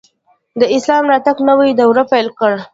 د اسلام راتګ نوی دور پیل کړ